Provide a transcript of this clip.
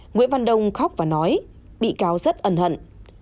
nguyễn văn đông khóc và nói bị cáo rất ân hận